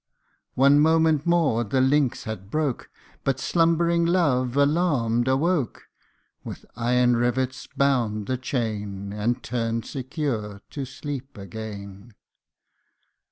One moment more the links had broke, But slumbering Love, alarmed, awoke ; With iron rivets bound the chain, And turned secure to sleep again.